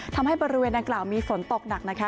ทำให้บริเวณดังกล่าวมีฝนตกหนักนะคะ